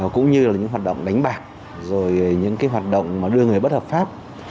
cũng như là những hoạt động đánh bạc rồi những cái hoạt động mà đưa người bất hợp pháp